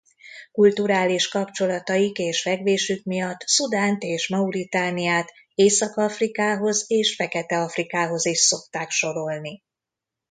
Kulturális kapcsolataik és fekvésük miatt Szudánt és Mauritániát Észak-Afrikához és Fekete-Afrikához is szokták sorolni.